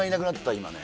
今ね